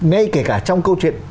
ngay kể cả trong câu chuyện